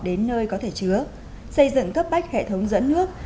đến nơi có thể chứa xây dựng cấp bách hệ thống dẫn nước